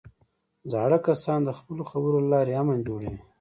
زاړه کسان د خپلو خبرو له لارې امن جوړوي